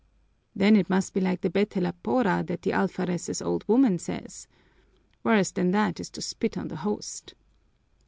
"Then it must be like the betelapora that the alferez's old woman says. Worse than that is to spit on the Host."